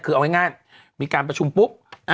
คือเอาง่ายมีการประชุมปุ๊บ